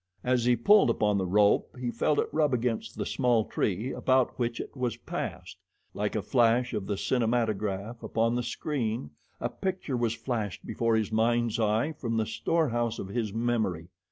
As he pulled upon the rope he felt it rub against the small tree about which it was passed. Like a flash of the cinematograph upon the screen, a picture was flashed before his mind's eye from the storehouse of his memory.